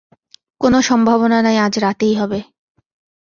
কোন সম্ভাবনা নাই আজ রাতেই হবে।